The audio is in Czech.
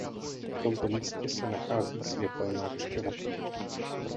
V tomto místě se nachází světelná křižovatka.